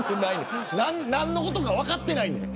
何のことか分かってないねん。